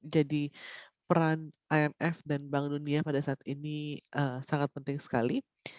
peran imf dan bank dunia pada saat ini sangat penting sekali